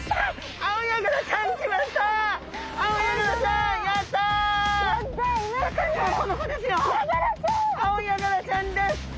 アオヤガラちゃんです。